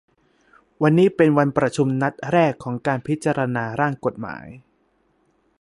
วันนี้เป็นการประชุมนัดแรกของการพิจารณาร่างกฎหมาย